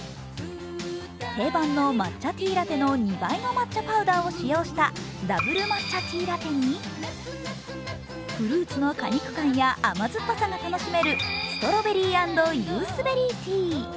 定番の抹茶ティーラテの２倍の抹茶パウダーを使用したダブル抹茶ティーラテに、フルーツの果肉感や甘酸っぱさが楽しめるストロベリー＆ユースベリーティー。